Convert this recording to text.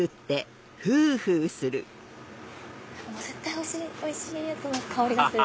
おいしいやつの香りがする！